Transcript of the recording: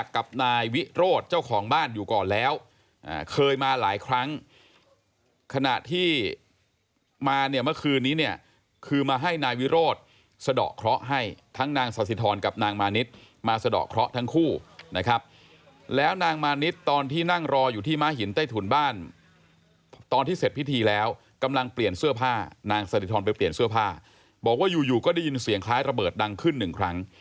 กับนายวิโรธเจ้าของบ้านอยู่ก่อนแล้วเคยมาหลายครั้งขณะที่มาเนี่ยเมื่อคืนนี้เนี่ยคือมาให้นายวิโรธสะดอกเคราะห์ให้ทั้งนางสสิทรกับนางมานิดมาสะดอกเคราะห์ทั้งคู่นะครับแล้วนางมานิดตอนที่นั่งรออยู่ที่ม้าหินใต้ถุนบ้านตอนที่เสร็จพิธีแล้วกำลังเปลี่ยนเสื้อผ้านางสถิธรไปเปลี่ยนเสื้อผ้าบอกว่าอยู่อยู่ก็ได้ยินเสียงคล้ายระเบิดดังขึ้นหนึ่งครั้ง